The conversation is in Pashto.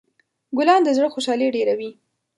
ګلان د زړه خوشحالي ډېروي.